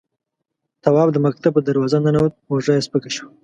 تواب د مکتب په دروازه ننوت، اوږه يې سپکه شوه.